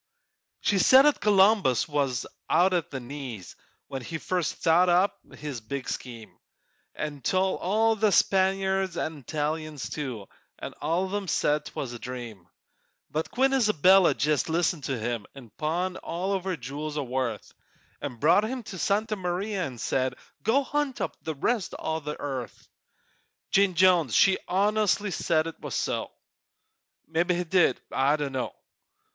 She said 'at Columbus was out at the knees When he first thought up his big scheme, An' told all the Spaniards 'nd Italians, too, An' all of 'em said 'twas a dream. But Queen Isabella jest listened to him, 'Nd pawned all her jewels o' worth, 'Nd bought him the Santa Maria 'nd said, "Go hunt up the rest o' the earth!" Mebbe he did I dunno!